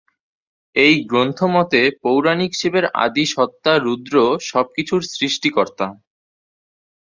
এই গ্রন্থ মতে, পৌরাণিক শিবের আদি সত্ত্বা রুদ্র সব কিছুর সৃষ্টিকর্তা।